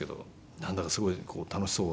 なんだかすごい楽しそうでね。